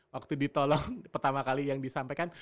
waktu ditolong pertama kali yang disampaikan